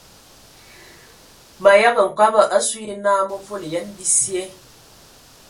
Mayəgə nkɔbɔ asu yi nə mə volo yen bisye.